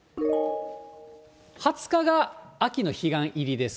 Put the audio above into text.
２０日が秋の彼岸入りです。